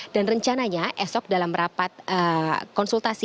dan rencananya esok dalam rapat konsultasi